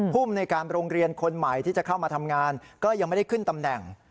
ภูมิในการโรงเรียนคนใหม่ที่จะเข้ามาทำงานก็ยังไม่ได้ขึ้นตำแหน่ง